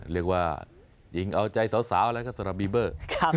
เรียกว่ายิงเอาใจสาวแล้วก็สระบีเบอร์